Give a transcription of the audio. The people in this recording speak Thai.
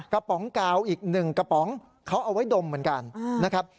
ป๋องกาวอีก๑กระป๋องเขาเอาไว้ดมเหมือนกันนะครับ